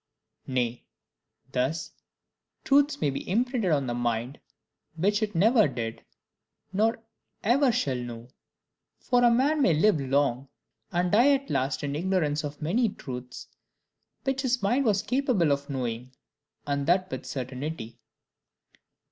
Nay, thus truths may be imprinted on the mind which it never did, nor ever shall know; for a man may live long, and die at last in ignorance of many truths which his mind was capable of knowing, and that with certainty.